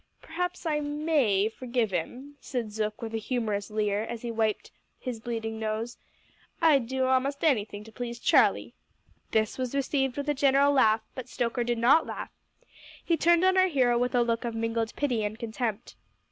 "Perhaps I may forgive 'im," said Zook, with a humorous leer, as he wiped his bleeding nose "I'd do a'most anything to please Charlie!" This was received with a general laugh, but Stoker did not laugh; he turned on our hero with a look of mingled pity and contempt.